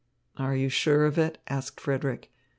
"Are you sure of it?" asked Frederick.